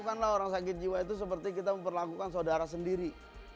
lakukanlah orang sakit jiwa itu seperti kita memperlakukan saudara sendiri